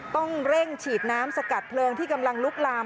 ต้องเร่งฉีดน้ำสกัดเพลิงที่กำลังลุกลาม